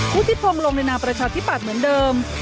พุทธิพงศ์ลงในนามประชาธิปัตย์เหมือนเดิม